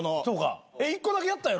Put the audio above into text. １個だけやったやろ？